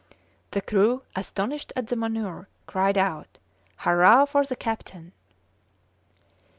The crew, astonished at the manoeuvre, cried out: "Hurrah for the captain!"